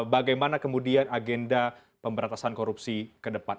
bagaimana kemudian agenda pemberantasan korupsi ke depan